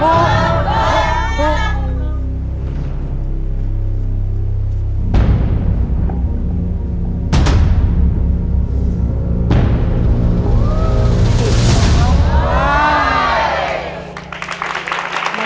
เปล่า